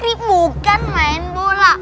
krim bukan main bola